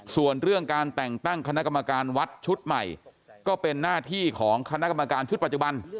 ส่วนเรื่องการแต่งตั้งคณะกรรมการวัดชุดใหม่ก็เป็นหน้าที่ของคณะกรรมการชุดปัจจุบัน